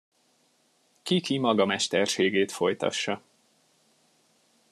Ki-ki maga mesterségét folytassa.